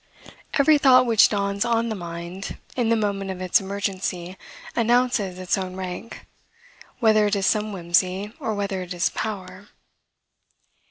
Every thought which dawns on the mind, in the moment of its emergency announces its own rank, whether it is some whimsy, or whether it is a power.